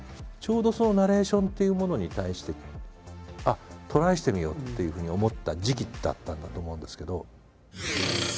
ちょうどそのナレーションっていうものに対してトライしてみようっていうふうに思った時期だったんだと思うんですけど。